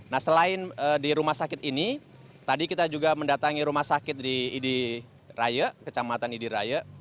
nah selain di rumah sakit ini tadi kita juga mendatangi rumah sakit di idi raya kecamatan idiraya